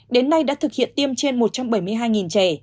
đến nay đã thực hiện tiêm trên một trăm bảy mươi hai trẻ